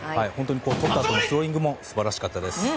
とったあとのスローイングも素晴らしかったです。